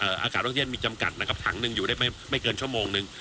อากาศท่องเที่ยวมีจำกัดนะครับถังหนึ่งอยู่ได้ไม่ไม่เกินชั่วโมงนึง